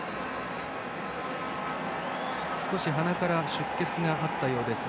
少し鼻から出血があったようです